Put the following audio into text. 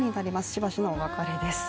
しばしのお別れです。